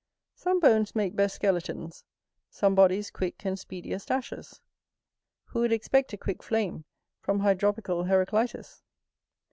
Some bones make best skeletons, some bodies quick and speediest ashes. Who would expect a quick flame from hydropical Heraclitus?